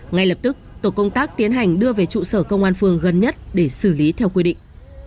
ngay lập tức tổ công tác tiến hành đưa về trụ sở công an phường gần nhất để xử lý theo quy định